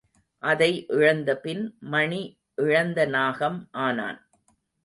அதை இழந்தபின் மணி இழந்த நாகம் ஆனான்.